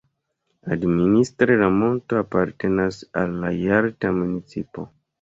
Administre la monto apartenas al la Jalta municipo.